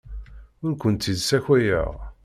Ur kent-id-ssakayeɣ.